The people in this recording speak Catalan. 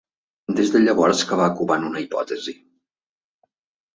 Des de llavors que va covant una hipòtesi.